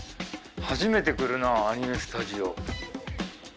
初めて来るなアニメスタジオ。